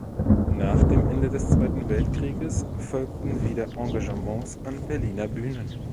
Nach dem Ende des Zweiten Weltkrieges folgten wieder Engagements an Berliner Bühnen.